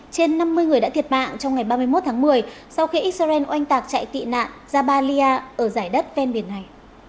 trên năm mươi người đã thiệt mạng trong ngày ba mươi một tháng một mươi sau khi israel oanh tạc chạy tị nạn jabalia ở giải đất ven biển này